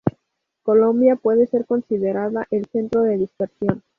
Colombia puede ser considerada el centro de dispersión.